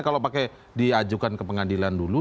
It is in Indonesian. kalau pakai diajukan ke pengadilan dulu